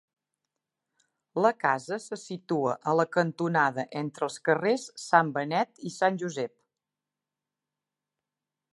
La casa se situa a la cantonada entre els carrers Sant Benet i Sant Josep.